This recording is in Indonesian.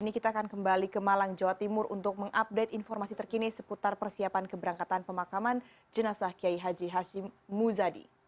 ini kita akan kembali ke malang jawa timur untuk mengupdate informasi terkini seputar persiapan keberangkatan pemakaman jenazah kiai haji hashim muzadi